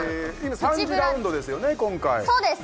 今３次ラウンドですよね